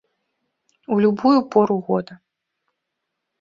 У любую пору года.